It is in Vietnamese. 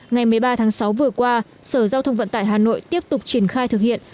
ngày một mươi ba tháng sáu vừa qua sở giao thông vận tải hà nội tiếp tục triển khai thực hiện